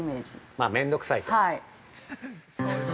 ◆まあ、面倒くさいと。